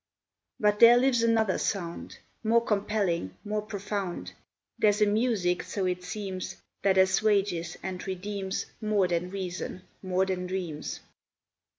But there lives another sound, More compelling, more profound; There's a music, so it seems, That assuages and redeems, More than reason, more than dreams.